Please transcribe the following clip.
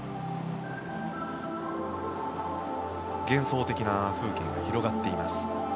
幻想的な風景が広がっています。